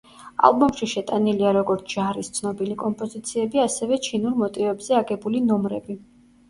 ალბომში შეტანილია როგორც ჟარის ცნობილი კომპოზიციები, ასევე ჩინურ მოტივებზე აგებული ნომრები.